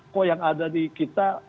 kok yang ada di kita